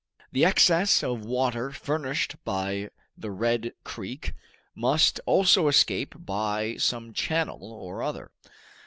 The excess of water furnished by the Red Creek must also escape by some channel or other.